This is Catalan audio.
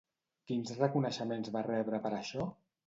Quins reconeixements va rebre per això?